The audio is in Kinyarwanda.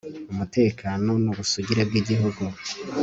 umutekano n'ubusugire bw'igihugu